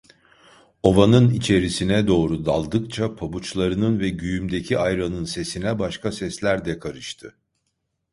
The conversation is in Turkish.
Ovanın içerisine doğru daldıkça pabuçlarının ve güğümdeki ayranın sesine başka sesler de karıştı.